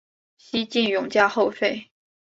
西晋永嘉后废。